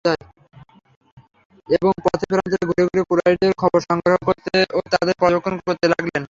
এবং পথে প্রান্তরে ঘুরে ঘুরে কুরাইশদের খবর সংগ্রহ করতে ও তাদের পর্যবেক্ষণ করতে লাগলেন।